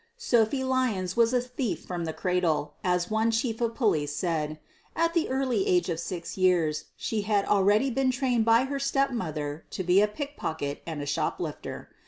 Sophie Lyons was a " thief from the cradle/ ' as one Chief of Police said; at the early age of six years she had already been trained by her step mother to be a pickpocket and a shoplifter.